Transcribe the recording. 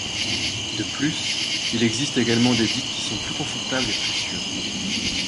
De plus, il existe également des dites qui sont plus confortables et plus sûres.